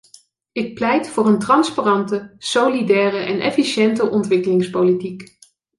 Ik pleit voor een transparante, solidaire en efficiënte ontwikkelingspolitiek.